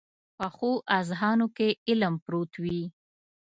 پخو اذهانو کې علم پروت وي